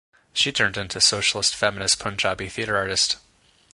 She turned into socialist feminist Punjabi theatre artist.